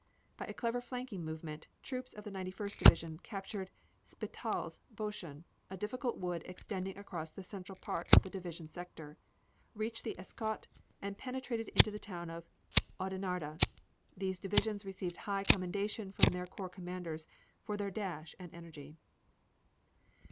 By a clever flanking movement troops of the Ninety first Division captured Spitaals Bosschen, a difficult wood extending across the central part of the division sector, reached the Escaut, and penetrated into the town of Audenarde. These divisions received high commendation from their corps commanders for their dash and energy.